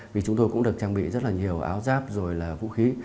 vì chúng tôi cũng được trang bị rất là nhiều áo giáp rồi là vũ khí